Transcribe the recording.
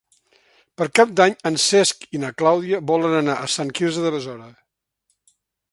Per Cap d'Any en Cesc i na Clàudia volen anar a Sant Quirze de Besora.